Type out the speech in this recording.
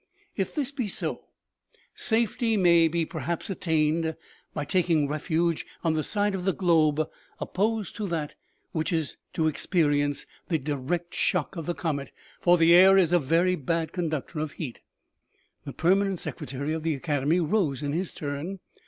If this be so, safety may be perhaps attained by taking refuge on the side of the globe opposed to that which is to expe rience the direct shock of the comet, for the air is a very bad conductor of heat." The permanent secretary of the academy rose in his turn.